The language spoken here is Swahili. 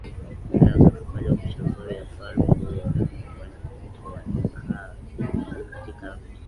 zinazotupa leo picha nzuri ya ufalme huo Manikongo alikaa katika mji